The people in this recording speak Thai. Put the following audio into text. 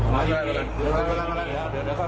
ไม่เป็นไรไม่ต้อง